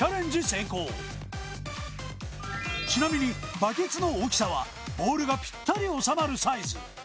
成功ちなみにバケツの大きさはボールがぴったり収まるサイズ